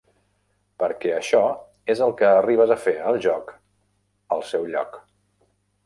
Perquè això és el que arribes a fer al joc al seu lloc.